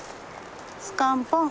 スカンポン。